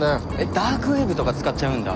ダークウェブとか使っちゃうんだ。